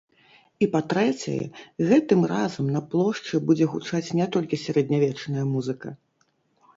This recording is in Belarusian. І па-трэцяе, гэтым разам на плошчы будзе гучаць не толькі сярэднявечная музыка.